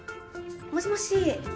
もしもし？